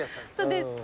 そうです。